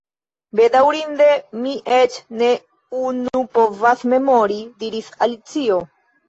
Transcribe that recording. "Bedaŭrinde, mi eĉ ne unu povas memori," diris Alicio.